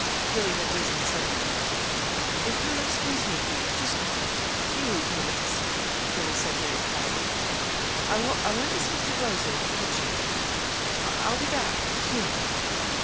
Billy had risen suddenly. "If you'll excuse me, please, just a few minutes," Billy said very quietly. "I want to speak to Rosa in the kitchen. I'll be back soon."